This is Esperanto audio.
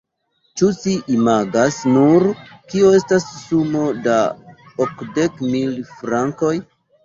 Ĉu ci imagas nur, kio estas sumo da okdek mil frankoj?